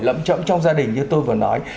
lẫm chậm trong gia đình như tôi vừa nói